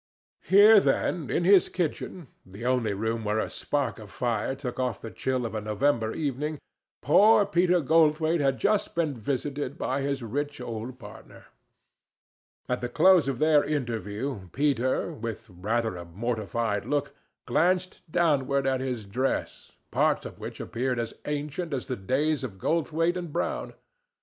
Here, then, in his kitchen—the only room where a spark of fire took off the chill of a November evening—poor Peter Goldthwaite had just been visited by his rich old partner. At the close of their interview, Peter, with rather a mortified look, glanced downward at his dress, parts of which appeared as ancient as the days of Goldthwaite & Brown.